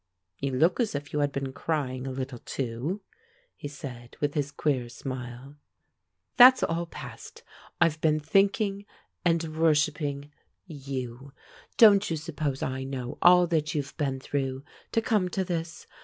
"You look as if you had been crying a little, too," he said with his queer smile. "That's all past. I've been thinking, and worshipping you. Don't you suppose I know all that you've been through, to come to this?